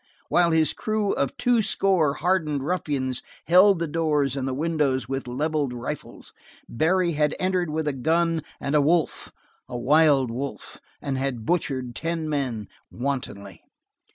While his crew of two score hardened ruffians held the doors and the windows with leveled rifles, Barry had entered with a gun and a wolf a wild wolf, and had butchered ten men, wantonly.